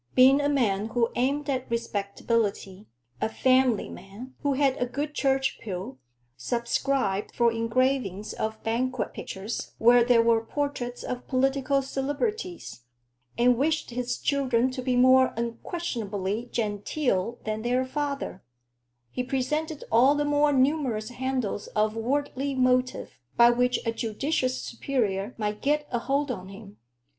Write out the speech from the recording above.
Being a man who aimed at respectability, a family man, who had a good church pew, subscribed for engravings of banquet pictures where there were portraits of political celebrities, and wished his children to be more unquestionably genteel than their father, he presented all the more numerous handles of worldly motive by which a judicious superior might get a hold on him.